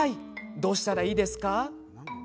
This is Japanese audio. どうしたらいいですか？